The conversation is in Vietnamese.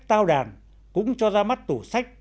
tao đàn cũng cho ra mắt tủ sách